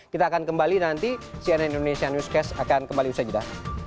kita akan kembali nanti cnn indonesia newscast akan kembali usai jeda